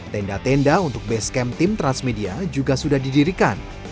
tenda tenda untuk basecamp tim transmedia juga sudah didirikan